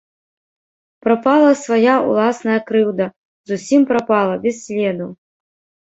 Прапала свая ўласная крыўда, зусім прапала, без следу.